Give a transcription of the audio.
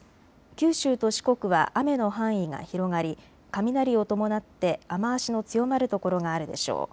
九州と四国は雨の範囲が広がり雷を伴って雨足の強まる所があるでしょう。